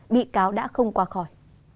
bị cáo đã không qua khỏi